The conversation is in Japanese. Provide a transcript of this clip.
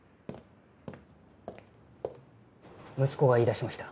息子が言いだしました。